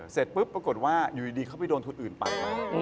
เสร็จปุ๊บปรากฏว่าอยู่ดีเขาไปโดนทุนอื่นปั่นมา